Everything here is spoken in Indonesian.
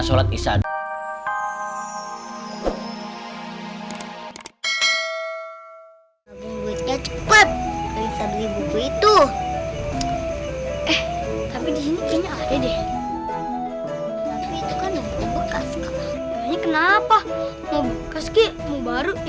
sama sama aja dibaca